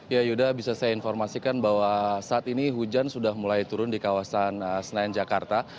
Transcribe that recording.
ya yuda bisa saya informasikan bahwa saat ini hujan sudah mulai turun di kawasan senayan jakarta